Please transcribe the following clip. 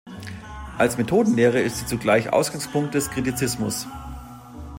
Als Methodenlehre ist sie zugleich Ausgangspunkt des Kritizismus.